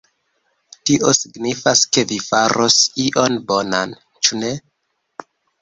Tio signifas ke vi faros ion bonan, ĉu ne?